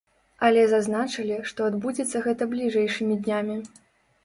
Але зазначылі, што адбудзецца гэта бліжэйшымі днямі.